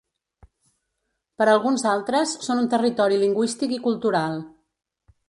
Per alguns altres són un territori lingüístic i cultural.